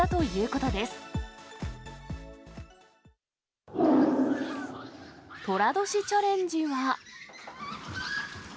とら年チャレンジは。